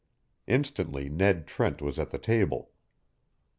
Instantly Ned Trent was at the table.